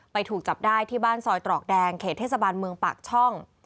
ถูกจับได้ที่บ้านซอยตรอกแดงเขตเทศบาลเมืองปากช่อง